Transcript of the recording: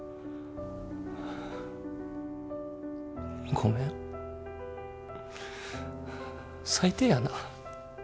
ごめん最低やな。